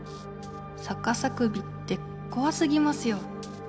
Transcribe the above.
「さかさ首」ってこわすぎますよ。